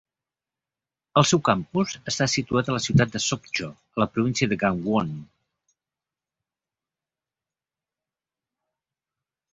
El seu campus està situat a la ciutat de Sokcho, a la província de Gangwon.